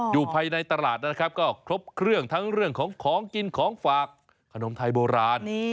อยู่ภายในตลาดนะครับก็ครบเครื่องทั้งเรื่องของของกินของฝากขนมไทยโบราณ